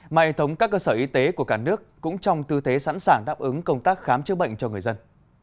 mà hệ thống các cơ sở y tế của cả nước cũng trong tư thế sẵn sàng đáp ứng công tác khám chữa bệnh cho người dân